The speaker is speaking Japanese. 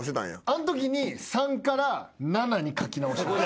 あのときに３から７に書き直した。